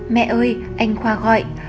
mẹ ơi anh khoa gọi